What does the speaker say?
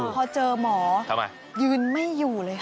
พอเจอหมอยืนไม่อยู่เลยค่ะ